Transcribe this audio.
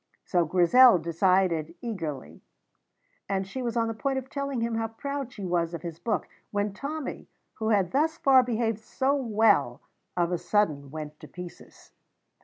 So Grizel decided eagerly, and she was on the point of telling him how proud she was of his book, when Tommy, who had thus far behaved so well, of a sudden went to pieces.